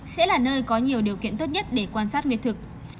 sẽ là nơi có nhiều điều kiện tốt nhất để quan sát biệt thực